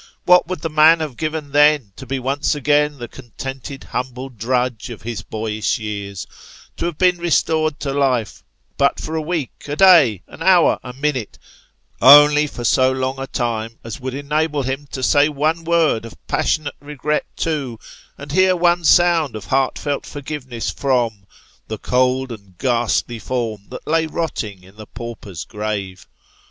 What would the man have given then, to be once again the contented humble drudge of his boyish years ; to have restored to life, but for a week, a day, an hour, a minute, only for so long a time as would enable him to say one word of passionate regret to, and hear one sound of heartfelt for giveness from, the cold and ghastly form that lay rotting in the pauper's grave